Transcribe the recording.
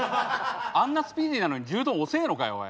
あんなスピーディーなのに牛丼遅えのかよおい。